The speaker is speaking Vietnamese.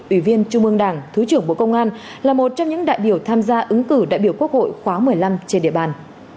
ủy viên trung ương đảng thứ trưởng bộ công an là một trong những đại biểu tham gia ứng cử đại biểu quốc hội khóa một mươi năm trên địa bàn